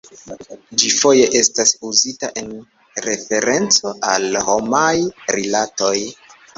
Ĝi foje estas uzita en referenco al homaj rilatoj.